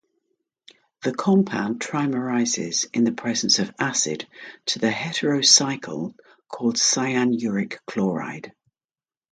The compound trimerizes in the presence of acid to the heterocycle called cyanuric chloride.